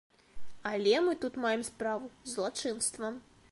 Але мы тут маем справу з злачынствам.